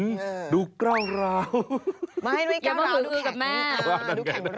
ไม่ดูแข็งแรงแข็งแกรก